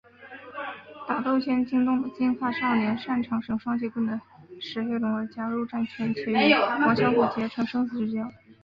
打斗间惊动了金发少年擅长使用双节棍的石黑龙而加入战圈且与王小虎结成生死之交。